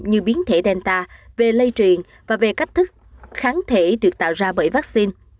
như biến thể delta về lây truyền và về cách thức kháng thể được tạo ra bởi vắc xin